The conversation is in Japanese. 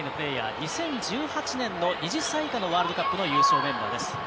２０１８年の２０歳以下のワールドカップの優勝メンバーです。